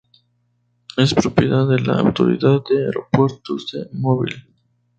Es propiedad de la autoridad de aeropuertos de Mobile.